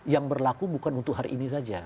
yang berlaku bukan untuk hari ini saja